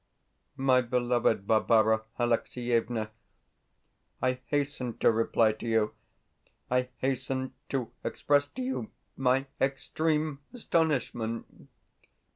MY BELOVED BARBARA ALEXIEVNA, I hasten to reply to you I hasten to express to you my extreme astonishment....